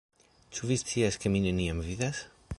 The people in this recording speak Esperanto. Ĉu vi scias, ke mi neniam vidas